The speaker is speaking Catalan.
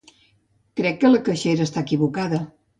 Crec que la caixera està equivocada.